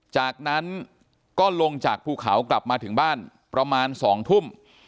จากนั้นก็ลงจากภูเขากลับมาถึงบ้านประมาณ๒ทุ่ม